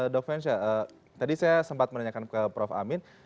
dok fensya tadi saya sempat menanyakan ke prof amin